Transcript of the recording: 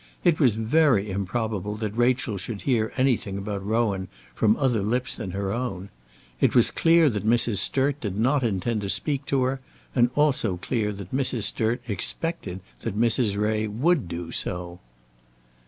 It was very improbable that Rachel should hear anything about Rowan from other lips than her own. It was clear that Mrs. Sturt did not intend to speak to her, and also clear that Mrs. Sturt expected that Mrs. Ray would do so.